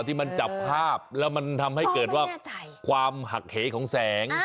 ที่มันจับภาพแล้วมันทำให้เกิดว่าความหักเหของแสง